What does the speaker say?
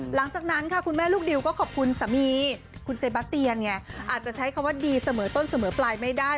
หลังจากนั้นค่ะคุณแม่ลูกดิวก็ขอบคุณสามีคุณเซบาเตียนไงอาจจะใช้คำว่าดีเสมอต้นเสมอปลายไม่ได้